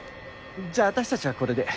じゃああたしたちはこれで。